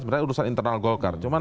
sebenarnya urusan internal golkar cuma